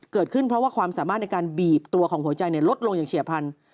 เกิดขึ้นเพราะว่าความสามารถในการบีบตัวของหัวใจลดลงอย่างเฉียบพันธุ